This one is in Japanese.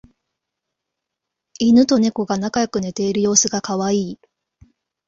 イヌとネコが仲良く寝ている様子がカワイイ